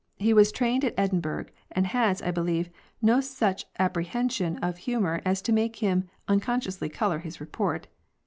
He was trained in Edinburgh and has, I believe, no such appreciation of humor as to make him unconsciously color his report.